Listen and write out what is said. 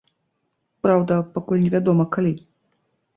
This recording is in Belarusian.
Праўда, пакуль невядома, калі.